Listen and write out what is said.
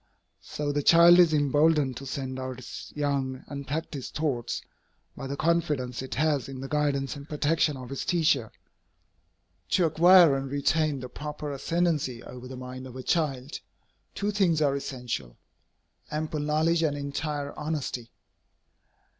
So the child is emboldened to send out its young, unpractised thoughts, by the confidence it has in the guidance and protection of its teacher. To acquire and retain the proper ascendancy over the mind of a child, two things are essential, ample knowledge and entire honesty.